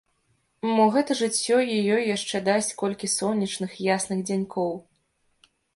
Мо гэта жыццё і ёй яшчэ дасць колькі сонечных, ясных дзянькоў?